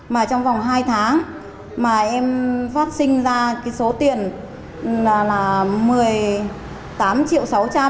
mà trong vòng hai tháng mà em phát sinh ra cái số tiền là một mươi tám triệu sáu trăm linh